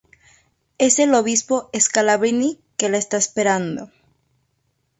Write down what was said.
Es el Obispo Scalabrini que la está esperando.